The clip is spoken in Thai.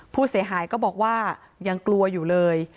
ผู้เสียหายก็บอกว่ายังกลัวอยู่เลย